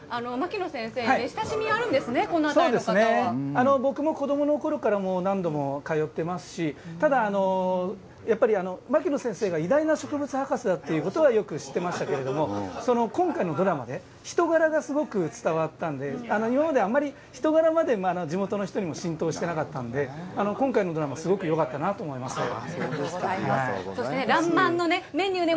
やっぱり、あれですね、牧野先生に親しみあるんですね、このそうですね、僕も子どものころから、もう何度も通ってますし、ただ、やっぱり、牧野先生が偉大な植物博士だということはよく知ってましたけれども、その今回のドラマで、人柄がすごく伝わったんで、今まであんまり人柄まで地元の人に浸透してなかったんで、今回のドラマ、すごくよかったなありがとうございます。